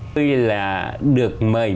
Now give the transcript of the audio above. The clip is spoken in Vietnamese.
tôi là được mời